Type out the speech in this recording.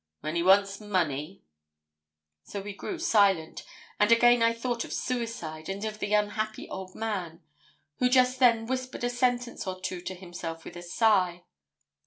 'When he wants money.' So we grew silent, and again I thought of suicide, and of the unhappy old man, who just then whispered a sentence or two to himself with a sigh.